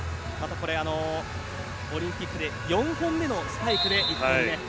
オリンピックで４本目のスパイクで１点目。